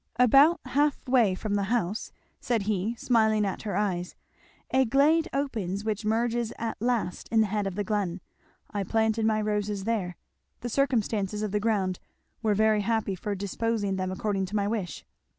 "About half way from the house," said he smiling at her eyes, "a glade opens which merges at last in the head of the glen I planted my roses there the circumstances of the ground were very happy for disposing them according to my wish."